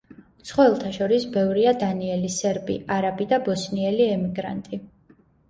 უცხოელთა შორის ბევრია დანიელი, სერბი, არაბი და ბოსნიელი ემიგრანტი.